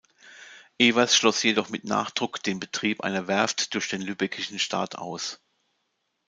Ewers schloss jedoch mit Nachdruck den Betrieb einer Werft durch den Lübeckischen Staat aus.